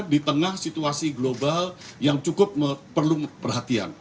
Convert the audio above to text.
di tengah situasi global yang cukup perlu perhatian